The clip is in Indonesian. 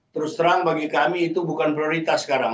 terus terang bagi kami itu bukan prioritas sekarang